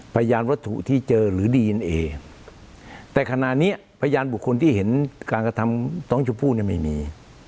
พยานวัตถุที่เจอหรือดีเอ็นเอแต่ขณะนี้พยานบุคคลที่เห็นการกระทำน้องชมพู่เนี่ยไม่มี